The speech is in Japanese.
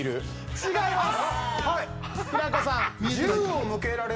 違います。